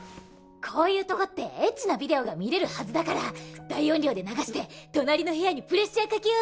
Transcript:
こういうとこってエッチなビデオが見れるはずだから大音量で流して隣の部屋にプレッシャーかけようぜ。